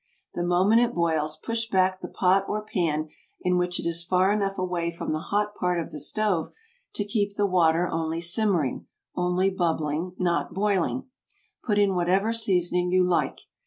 The moment it boils, push back the pot or pan in which it is far enough away from the hot part of the stove to keep the water only simmering, only bubbling, not boiling. Put in whatever seasoning you like.